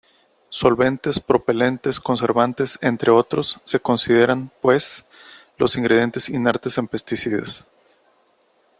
Solventes, propelentes, conservantes, entre otros, se consideran, pues, los ingredientes inertes en pesticidas.